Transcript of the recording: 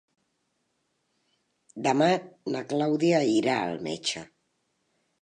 Demà na Clàudia irà al metge.